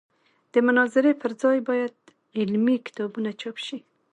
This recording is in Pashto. د مناظرې پر ځای باید علمي کتابونه چاپ شي.